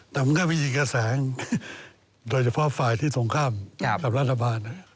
แต่มันก็มีอีกกระแสงโดยเฉพาะฝ่ายที่ตรงข้ามกับรัฐบาล